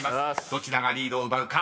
［どちらがリードを奪うか。